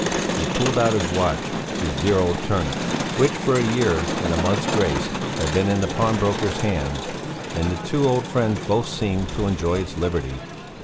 He pulled out his watch, his dear old turnip, which for a year and a month's grace had been in the pawnbroker's hands, and the two old friends both seemed to enjoy its liberty.